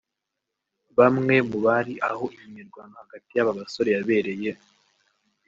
Bamwe mu bari aho iyi mirwano hagati y’aba basore yabereye